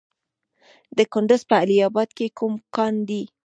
د کندز په علي اباد کې کوم کان دی؟